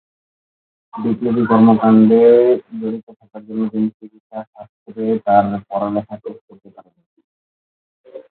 বিপ্লবী কর্মকাণ্ডে জড়িত থাকার জন্য তিনি চিকিৎসা শাস্ত্রে তার পড়ালেখা শেষ করতে পারেননি।